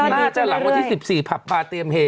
น่าจะหลังวันที่๑๔ผับบาร์เตรียมเฮ